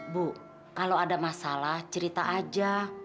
bu kalau ada masalah cerita aja